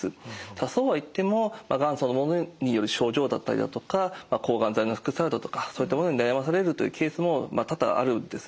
ただそうはいってもがんそのものによる症状だったりだとか抗がん剤の副作用だとかそういったものに悩まされるというケースも多々あるんですね。